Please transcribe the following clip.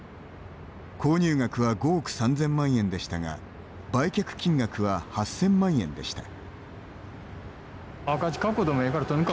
購入額は５億３０００万円でしたが売却金額は８０００万円でした。